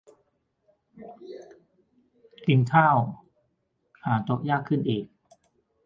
กินข้าวหาโต๊ะยากขึ้นอีก